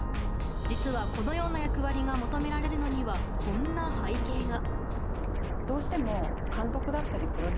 実は、このような役割が求められるのにはこんな背景が。